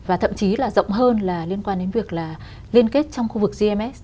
và thậm chí là rộng hơn là liên quan đến việc là liên kết trong khu vực gms